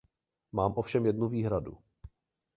Mám ovšem jednu výhradu.